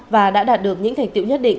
và đã đạt được những thành tiệu nhất định